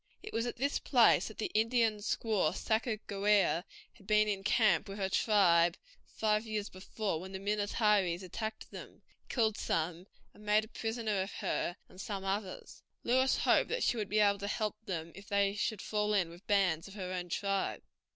It was at this place that the Indian squaw Sacajawea had been in camp with her tribe five years before when the Minnetarees attacked them, killed some, and made a prisoner of her and some others. Lewis hoped that she would be able to help them if they should fall in with bands of her own tribe.